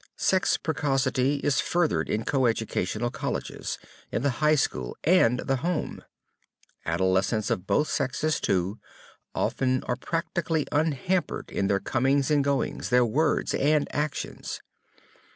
Sex precocity is furthered in coeducational colleges, in the high school and the home. Adolescents of both sexes too often are practically unhampered in their comings and goings, their words and actions.